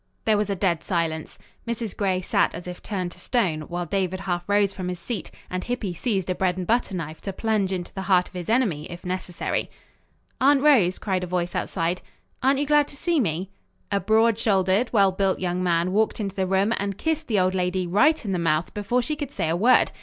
There was a dead silence. Mrs. Gray sat as if turned to stone, while David half rose from his seat and Hippy seized a bread and butter knife to plunge into the heart of his enemy, if necessary. "Aunt Rose," cried a voice outside, "aren't you glad to see me?" A broad shouldered, well built young man walked into the room and kissed the old lady right in the mouth, before she could say a word.